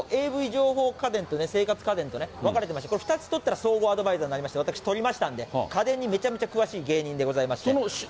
ＡＶ情報家電と生活家電と分かれてまして、これ、２つ取ったら総合アドバイザーになりまして、私取りましたんで、家電にめちゃめちゃ詳しい芸人でございまして。